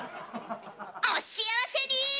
お幸せに！